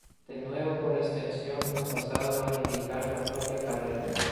De nuevo por extensión ha pasado a indicar la propia carrera.